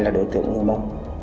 là đối tượng người mông